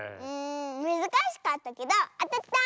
むずかしかったけどあたった！